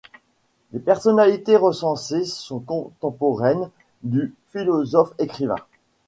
Les personnalités recensées sont contemporaines du philosophe-écrivain.